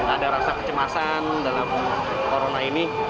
ada rasa kecemasan dalam corona ini